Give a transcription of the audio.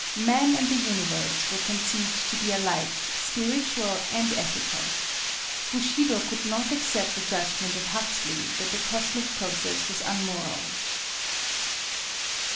Man and the universe were conceived to be alike spiritual and ethical. Bushido could not accept the judgment of Huxley, that the cosmic process was unmoral.